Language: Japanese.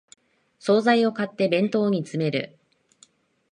総菜を買って弁当に詰める